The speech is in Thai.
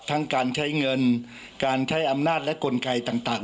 ทั้งการใช้เงินการใช้อำนาจและกลไกต่าง